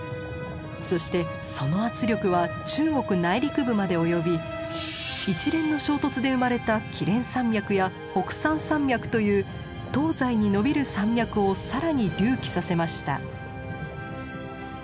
そしてその圧力は中国内陸部まで及び一連の衝突で生まれた連山脈や北山山脈という東西に延びる山脈を更に隆起させました。